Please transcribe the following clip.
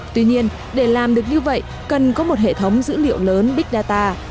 tuy nhiên để làm được như vậy cần có một hệ thống dữ liệu lớn big data